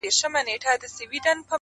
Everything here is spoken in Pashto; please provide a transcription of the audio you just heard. که نقاب پر مخ نیازبینه په مخ راسې-